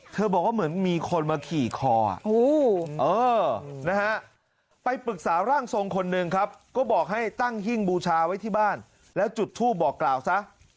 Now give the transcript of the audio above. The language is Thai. บอกว่าเหมือนมีคนมาขี่คอนะฮะไปปรึกษาร่างทรงคนหนึ่งครับก็บอกให้ตั้งหิ้งบูชาไว้ที่บ้านแล้วจุดทูปบอกกล่าวซะ